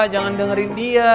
jangan dengerin dia